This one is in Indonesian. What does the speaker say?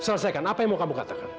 selesaikan apa yang mau kamu katakan